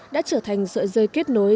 đã trở thành sợi rơi kết nối